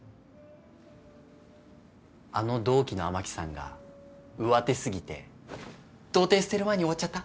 あの同期の雨樹さんが上手すぎて童貞捨てる前に終わっちゃった。